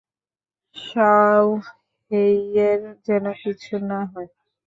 শাওহেইয়ের যেন কিছু না হয়।